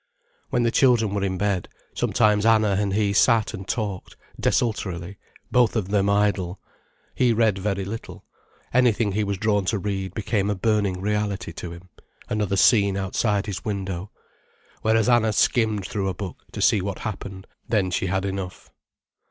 When the children were in bed, sometimes Anna and he sat and talked, desultorily, both of them idle. He read very little. Anything he was drawn to read became a burning reality to him, another scene outside his window. Whereas Anna skimmed through a book to see what happened, then she had enough.